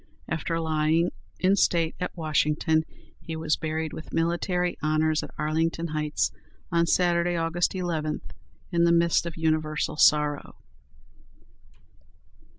After lying in state at Washington, he was buried with military honors at Arlington Heights, on Saturday, August 11, in the midst of universal sorrow.